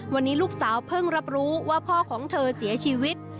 วันนี้ลูกสาวเพิ่งรับรู้ว่าพ่อของเธอเสียชีวิต